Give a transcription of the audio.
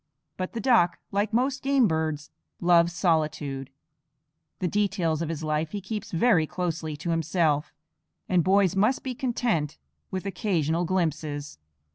But the duck, like most game birds, loves solitude; the details of his life he keeps very closely to himself; and boys must be content with occasional glimpses.